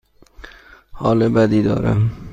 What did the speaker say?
حال بدی دارم.